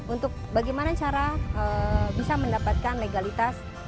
untuk bagaimana cara bisa mendapatkan legalitas